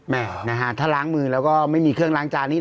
นะฮะถ้าล้างมือแล้วก็ไม่มีเครื่องล้างจานนี้